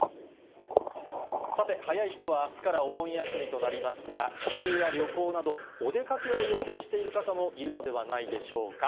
さて、早い人はあすからお盆休みとなりますが、帰省や旅行など、お出かけを予定している方もいるのではないでしょうか。